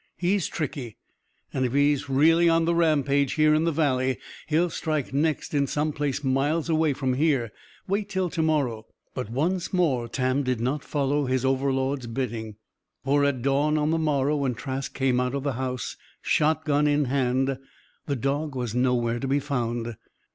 "He's tricky. And if he's really on the rampage, here in the Valley, he'll strike next in some place miles away from here. Wait till to morrow." But once more Tam did not follow his overlord's bidding. For, at dawn of the morrow, when Trask came out of the house, shotgun in hand, the dog was nowhere to be found.